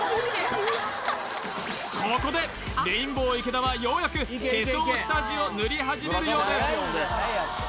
ここでレインボー池田はようやく化粧下地を塗り始めるようです